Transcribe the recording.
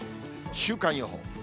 週間予報。